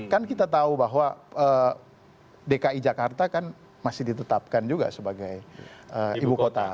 kan kita tahu bahwa dki jakarta kan masih ditetapkan juga sebagai ibu kota